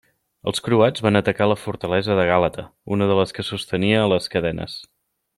Els croats van atacar la fortalesa de Gàlata, una de les que sostenia les cadenes.